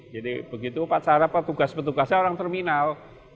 jadi begitu upacara petugas petugasnya orang terminal